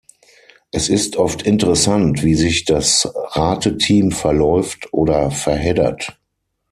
Es ist oft interessant, wie sich das Rateteam „verläuft“ oder „verheddert“.